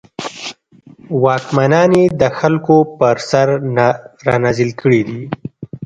واکمنان یې د خلکو پر سر رانازل کړي دي.